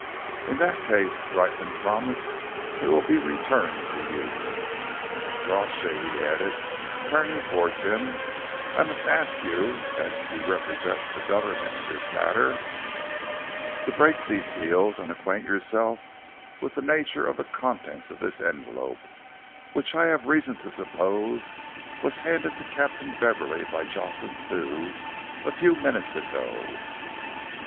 "In that case," Brightman promised, "it will be returned to you. Mr. Crawshay," he added, turning towards him, "I must ask you, as you represent the Government in this matter, to break these seals and acquaint yourself with the nature of the contents of this envelope, which I have reason to suppose was handed to Captain Beverley by Jocelyn Thew, a few minutes ago."